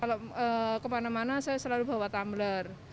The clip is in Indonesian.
kalau kemana mana saya selalu bawa tumbler